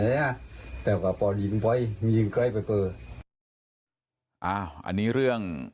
อ้าวอันนี้เรื่อง